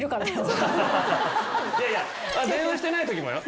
いやいや電話してないときもよ。